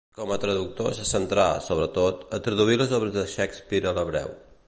Com a traductor se centrà, sobretot, a traduir les obres de Shakespeare a l'hebreu.